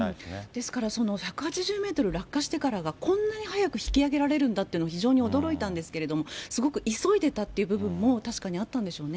ですから、１８０メートル落下してからが、こんなに早く引き揚げられるんだというのを非常に驚いたんですけれども、すごく急いでたっていう部分も、確かにあったんでしょう